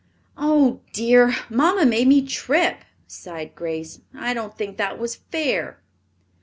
"Oh, dear, mamma made me trip," sighed Grace. "I don't think that was fair."